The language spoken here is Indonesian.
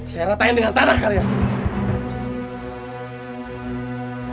saya ratain dengan tanah kalian